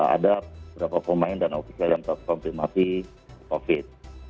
ada beberapa pemain dan ofisial yang terkonfirmasi covid